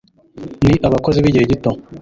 ni abakozi b'igihe gito